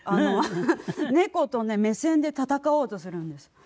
猫とね目線で戦おうとするんです。